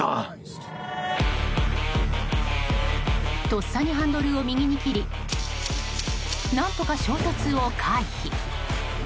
とっさにハンドルを右に切り何とか衝突を回避。